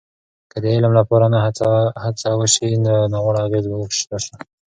که د علم لپاره نه هڅه وسي، نو ناوړه اغیزې به راسي.